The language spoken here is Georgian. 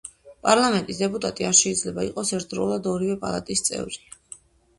პარლამენტის დეპუტატი არ შეიძლება იყოს ერთდროულად ორივე პალატის წევრი.